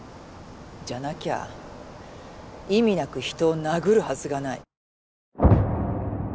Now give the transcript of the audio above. じゃなきゃ意味なく人を殴るはずがない。